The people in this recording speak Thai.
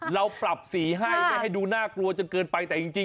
เราปรับสีให้ให้ดูน่ากลัวเกินไป